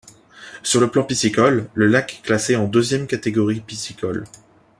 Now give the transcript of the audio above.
Sur le plan piscicole, le Lac est classé en deuxième catégorie piscicole.